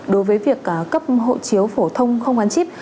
đối với việc cấp hộ chiếu phổ thông không gắn chip